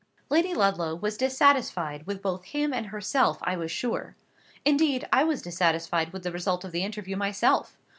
Lady Ludlow was dissatisfied with both him and herself, I was sure. Indeed, I was dissatisfied with the result of the interview myself.